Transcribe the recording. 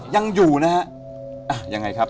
ยังอยู่นะครับ